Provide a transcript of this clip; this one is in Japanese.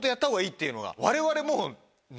我々もう。